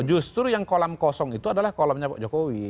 justru yang kolam kosong itu adalah kolamnya pak jokowi